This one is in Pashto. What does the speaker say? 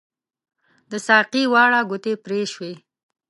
د ساقۍ واړه ګوتې پري شوي